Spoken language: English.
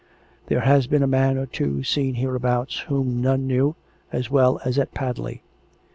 There has been a man or two seen hereabouts whom none knew, as well as at Padley.